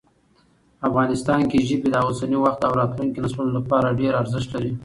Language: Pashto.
افغانستان کې ژبې د اوسني وخت او راتلونکي نسلونو لپاره ډېر ارزښت لري.